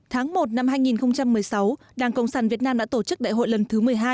tháng một năm hai nghìn một mươi sáu đảng cộng sản việt nam đã tổ chức đại hội lần thứ một mươi hai